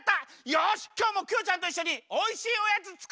よしきょうもクヨちゃんといっしょにおいしいおやつつくっちゃおう！